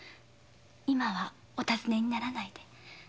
今はお尋ねにならないで。